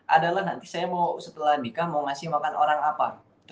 adalah nanti saya mau setelah nikah mau ngasih makan orang apa